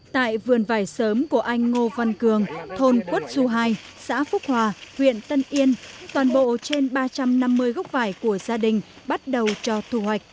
tại vườn vải sớm của anh ngô văn cường thôn quất du hai xã phúc hòa huyện tân yên toàn bộ trên ba trăm năm mươi gốc vải của gia đình bắt đầu cho thu hoạch